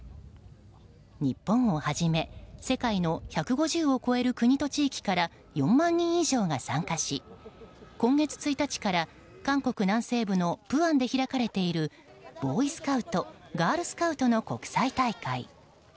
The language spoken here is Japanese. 日本をはじめ、世界の１５０を超える国と地域から４万人以上が参加し今月１日から韓国南西部のプアンで開かれているボーイスカウトガールスカウトの国際大会。